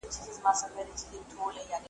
ښکلي ټولي ترهېدلي نن چینه هغسي نه ده .